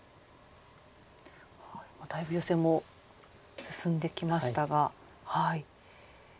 だいぶヨセも進んできましたが。